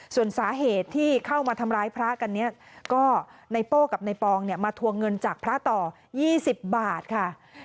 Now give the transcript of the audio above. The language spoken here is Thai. ส่วนสาเหตุที่เข้ามาทำร้ายพระกันเนี่ยก็ในโป้กับในปองเนี่ยมาทวงเงินจากพระต่อ๒๐บาทค่ะ